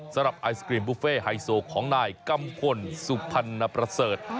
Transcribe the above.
สำหรับไอศกรีมบุฟเฟ่ไฮโซของนายกำคลสุภัณฑ์ประเสริฐ